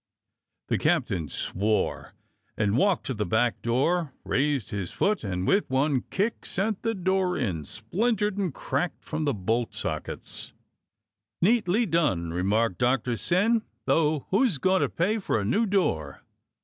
The captain swore and walked to the back door, raised his foot, and with one kick sent the door in, splintered and cracked from the bolt sockets. A TERRIBLE INVESTIGATION 135 "Neatly done!" remarked Doctor Syn, "though who's to pay for a new door?